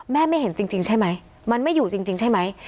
ไม่เห็นจริงใช่ไหมมันไม่อยู่จริงใช่ไหม